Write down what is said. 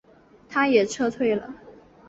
他也撤退了。